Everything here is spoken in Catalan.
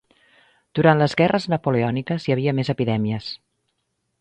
Durant les guerres napoleòniques hi havia més epidèmies.